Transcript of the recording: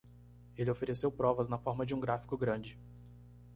Ele ofereceu provas na forma de um gráfico grande.